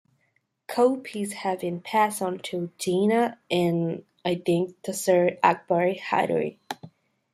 Copies have been passed on to Jinnah, and, I think, to Sir Akbar Hydari.